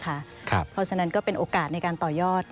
เพราะฉะนั้นก็เป็นโอกาสในการต่อยอด